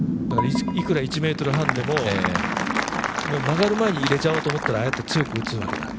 いくら１ｍ半でも曲がる前に入れちゃおうと思ったらああやって強く打つわけだ。